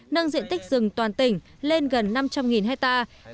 nâng diện tích rừng toàn tỉnh lên gần năm trăm linh hectare